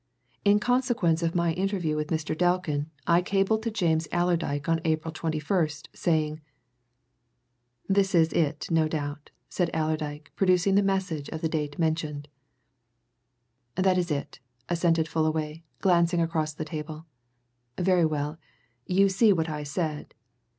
In consequence of my interview with Mr. Delkin, I cabled to James Allerdyke on April 21st, saying " "This is it, no doubt," said Allerdyke, producing the message of the date mentioned. "That is it," assented Fullaway, glancing across the table. "Very well, you see what I said.